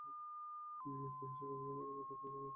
তিনি হাসপাতালের বিছানা থেকেই তার পরিচালনার কাজ করে যান।